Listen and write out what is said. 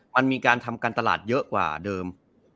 มันมีการทำการตลาดเยอะกว่าเดิม